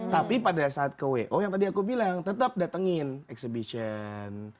tapi pada saat ke wo yang tadi aku bilang tetap datengin exhibition